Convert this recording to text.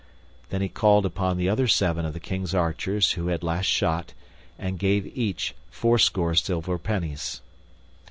Then he called upon the other seven of the King's archers who had last shot, and gave each fourscore silver pennies.